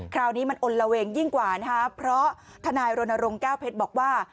คราวนี้มันอ่นเราเองยิ่งกว่านะครับเพราะทนายโรนโรงเก้าเพชรบอกว่า